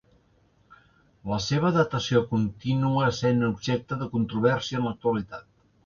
La seva datació continua essent objecte de controvèrsia en l'actualitat.